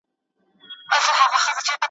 ځکه نو د هغه کار یوازې اکاډمیک نه و